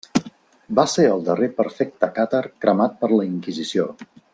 Va ser el darrer perfecte càtar cremat per la Inquisició.